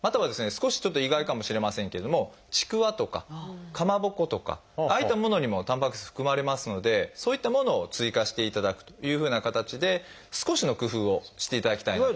少しちょっと意外かもしれませんけれどもちくわとかかまぼことかああいったものにもたんぱく質含まれますのでそういったものを追加していただくというふうな形で少しの工夫をしていただきたいなと。